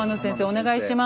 お願いします。